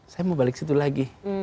saya mau balik situ lagi